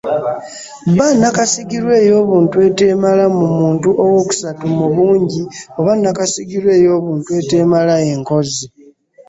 BA – Nnakasigirwa eyobuntu eteemala mu muntu owookusatu mu bungi oba nnakasigirwa eyobuntu eteemala enkozi.